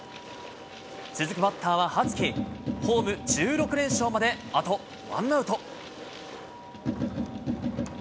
続くバッターは、ホーム１６連勝まであとワンアウト。